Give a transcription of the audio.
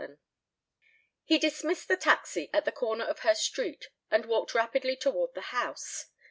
VII He dismissed the taxi at the corner of her street and walked rapidly toward the house.